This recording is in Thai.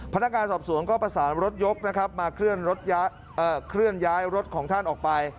พนักงานสอบสวนก็ประสานรถยกนะครับมาเคลื่อนย้ายรถของท่านออกไป